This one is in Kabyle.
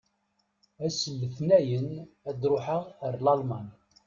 Ass n letnayen, ad ṛuḥeɣ ar Lalman.